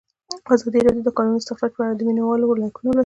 ازادي راډیو د د کانونو استخراج په اړه د مینه والو لیکونه لوستي.